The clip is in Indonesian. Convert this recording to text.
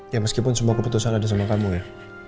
ya meskipun semua keputusan ada sama kamu ya